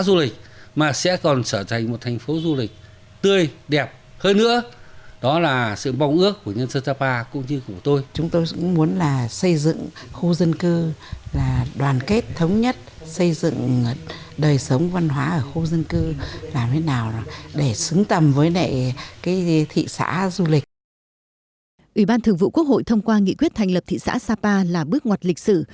ủy ban thường vụ quốc hội thông qua nghị quyết thành lập thị xã sapa là bước ngoặt lịch sử